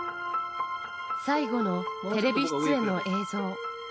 最後のテレビ出演の映像。